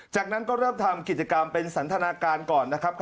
จากนั้นก็เริ่มทำกิจกรรมเป็นสันทนาการก่อนนะครับ